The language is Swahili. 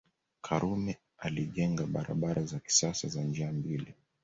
Karume alijenga barabara za kisasa za njia mbili